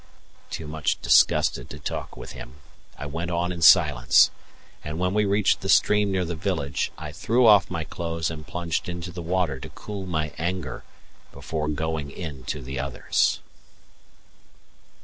Too much disgusted to talk with him, I went on in silence; and when we reached the stream near the village, I threw off my clothes and plunged into the water to cool my anger before going in to the others.